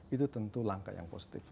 itu tentu langkah yang positif